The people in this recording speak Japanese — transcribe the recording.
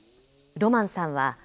ロマンさんたち